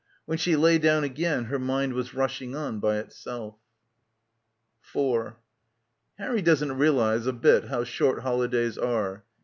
When she lay down again her mind was rushing on by itself. ... 4 Harry doesn't realise a bit how short holidays are.